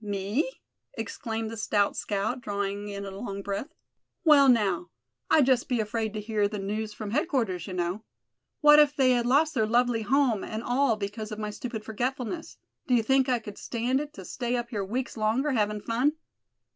"Me?" exclaimed the stout scout, drawing in a long breath. "Well, now, I'd just be afraid to hear the news from headquarters, you know. What if they had lost their lovely home and all because of my stupid forgetfulness, d'ye think I could stand it to stay up here weeks longer, havin' fun?